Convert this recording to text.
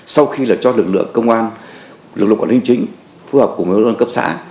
sau khi là cho lực lượng công an lực lượng quản linh chính phù hợp cùng với đồng bào cấp xã